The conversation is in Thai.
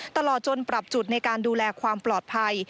ตลอดจนปรับจุดในการดูแลความปลอดภัย